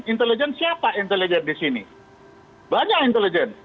intelijen siapa intelijen di sini banyak intelijen